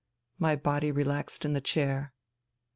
My body relaxed in the chair.